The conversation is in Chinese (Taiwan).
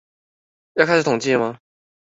要開始統計了嗎？